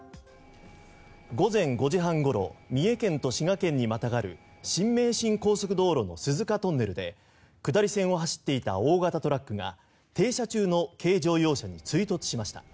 午前５時半ごろ三重県と滋賀県にまたがる新名神高速道路の鈴鹿トンネルで下り線を走っていた大型トラックが停車中の軽乗用車に追突しました。